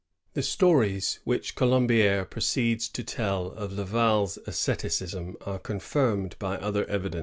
The stories which ColombiSre proceeds tq tell of Laval*s asceticism are confirmed by other evidence, VOL.